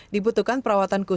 dibutuhkan perawatan yang berbeda